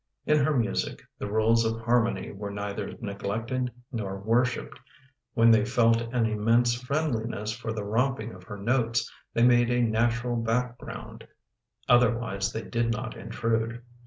In lur music the rules of harmony were neither neglected nor worshiped. When they felt an immense friendliness for the romping of her notes they made a natural back ground: otherwise, they did not intrude.